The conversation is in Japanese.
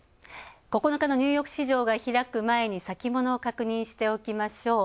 ９日のニューヨーク市場が開く前に先物を確認しておきましょう。